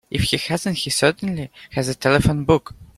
If he hasn't he certainly has a telephone book.